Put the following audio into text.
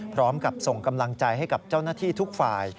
พร้อมกับส่งกำลังใจให้กับเจ้าหน้าที่ทุกฝ่าย